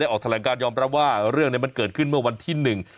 ออกแถลงการยอมรับว่าเรื่องนี้มันเกิดขึ้นเมื่อวันที่หนึ่ง